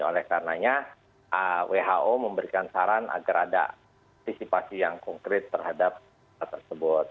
oleh karenanya who memberikan saran agar ada antisipasi yang konkret terhadap hal tersebut